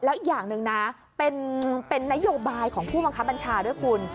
แล้วอีกอย่างหนึ่งนะเป็นนโยบายของผู้บังคับบัญชาด้วยคุณ